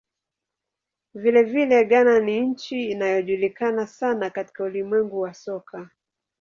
Vilevile, Ghana ni nchi inayojulikana sana katika ulimwengu wa soka.